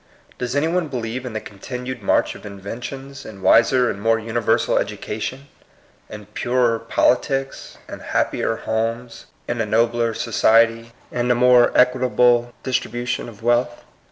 Does any one believe in the continued march of inventions, in wiser and more universal education, in purer politics, in happier homes, in a nobler society, in a more equitable distribution of wealth?